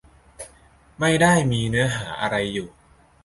ไม่ได้มีเนื้อหาอะไรอยู่